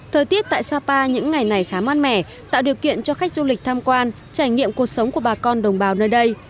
thời tiết tại sapa những ngày này khá mát mẻ tạo điều kiện cho khách du lịch tham quan trải nghiệm cuộc sống của bà con đồng bào nơi đây